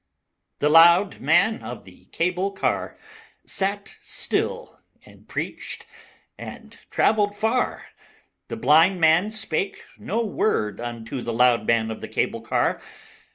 VII The Loud Man of the cable car Sat still and preached and traveled far; The Blind Man spake no word unto The Loud Man of the cable car.